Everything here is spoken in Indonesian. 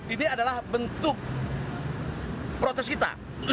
ini adalah bentuk protes kita